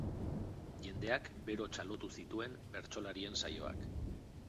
Jendeak bero txalotu zituen bertsolarien saioak.